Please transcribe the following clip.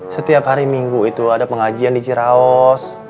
setiap hari minggu itu ada pengajian di ciraos